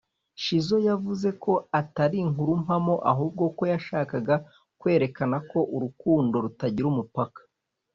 Shizzo yavuze ko atari inkuru mpamo ahubwo ko yashakaga kwerekana ko urukundo rutagira umupaka